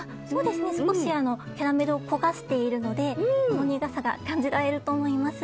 少し、キャラメルを焦がしているのでほろ苦さが感じられると思います。